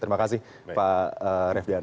terima kasih pak refdihari